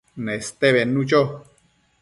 Neste bednu cho